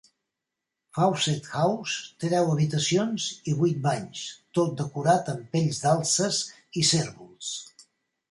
Fawcett House té deu habitacions i vuit banys, tot decorat amb pells d'alces i cérvols.